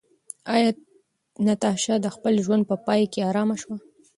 ایا ناتاشا د خپل ژوند په پای کې ارامه شوه؟